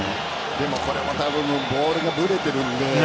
でも、これも多分ボールがぶれているので。